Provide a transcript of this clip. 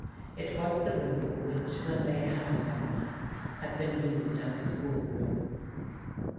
It was the room which, when they had a governess, had been used as a school room.